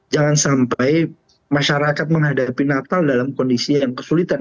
jangan sampai masyarakat menghadapi natal dalam kondisi yang kesulitan